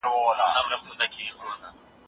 د دین بحثونه د فرد په ذهني اړیکو کي جوت دي.